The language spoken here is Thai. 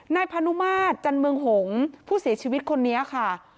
นายพานุมาตรจันเมืองหงษ์ผู้เสียชีวิตคนนี้ค่ะ